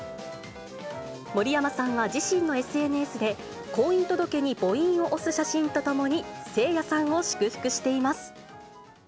盛山さんは自身のＳＮＳで、婚姻届にぼ印を押す写真とともにせいやさんを祝福しています。